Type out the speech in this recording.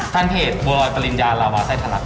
ทางเพจบัวรอยปริญญาลาวาไซ่ถนักครับผม